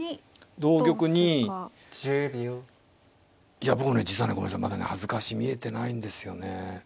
同玉にいや僕ね実はねごめんなさいまだね恥ずかしい見えてないんですよね。